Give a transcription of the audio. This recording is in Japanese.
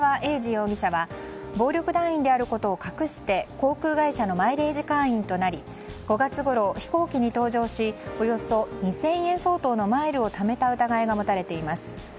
容疑者は暴力団員であることを隠して航空会社のマイレージ会員となり５月ごろ、飛行機に搭乗しおよそ２０００円相当のマイルをためた疑いが持たれています。